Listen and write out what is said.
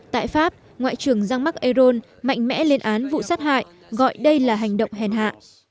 tại pháp ngoại trưởng jean marc ayron mạnh mẽ lên án vụ sát hại gọi đây là hành động hèn hạ